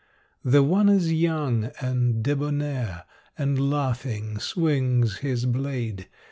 The one is young and debonair, And laughing swings his blade.